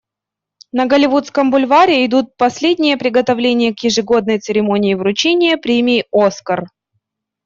На Голливудском бульваре идут последние приготовления к ежегодной церемонии вручения премии «Оскар».